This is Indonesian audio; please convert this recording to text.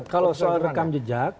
kalau soal rekam jejak